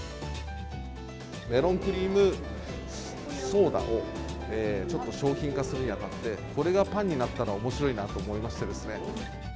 メロンクリームソーダをちょっと商品化するにあたって、これがパンになったらおもしろいなと思いましてですね。